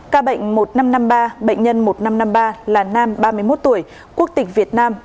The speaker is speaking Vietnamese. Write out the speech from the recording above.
ca bệnh một nghìn năm trăm năm mươi ba bệnh nhân một nghìn năm trăm năm mươi ba là nam ba mươi một tuổi quốc tịch việt nam